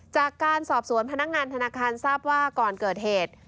จากการสอบสวนพนักงานธนาคารทราบว่าก่อนเกิดเหตุ